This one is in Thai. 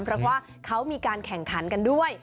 เพราะว่าเขามีการแข่งขันกันด้วย